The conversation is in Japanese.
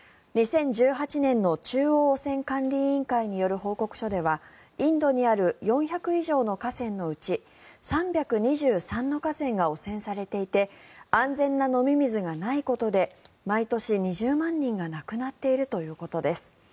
２０１８年の中央汚染管理委員会による報告書ではインドにある４００以上の河川のうち３２３の河川が汚染されていて安全な飲み水がないことで毎年２０万人が亡くなっているということです。